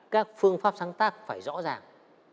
các phương pháp sáng tác phải rõ ràng